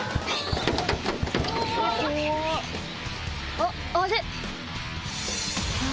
あっあれ！